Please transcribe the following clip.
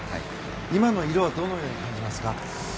今の色はどのように感じますか？